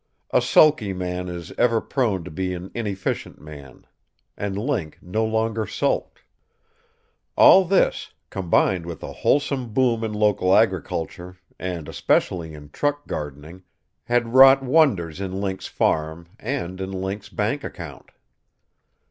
A sulky man is ever prone to be an inefficient man. And Link no longer sulked. All this combined with a wholesale boom in local agriculture, and especially in truck gardening had wrought wonders in Link's farm and in Link's bank account.